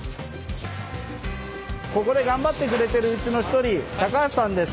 ここで頑張ってくれているうちの一人高橋さんです。